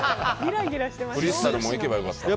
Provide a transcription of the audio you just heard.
クリスタルもいけば良かった。